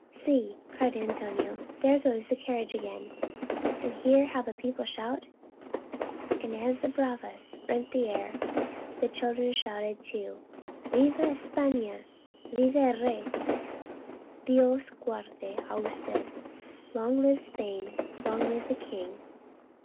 " See !" cried Antonio, " there goes the car riage again, and hear how the people shout !" and as the bravas rent the air, the children shouted, too :" Viva Espafta ! Viva el rey ! Dios guarde a usted !"■ 1 " Long live Spain ! Long live the king